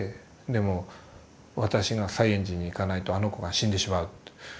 でも私が西圓寺に行かないとあの子が死んでしまう。